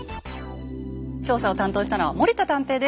調査したのは森田探偵です。